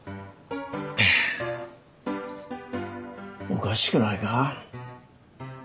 おかしくないか。